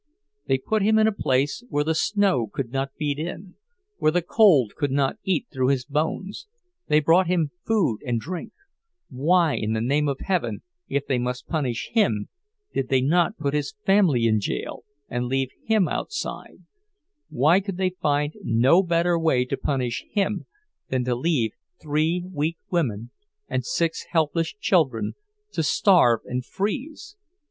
They put him in a place where the snow could not beat in, where the cold could not eat through his bones; they brought him food and drink—why, in the name of heaven, if they must punish him, did they not put his family in jail and leave him outside—why could they find no better way to punish him than to leave three weak women and six helpless children to starve and freeze?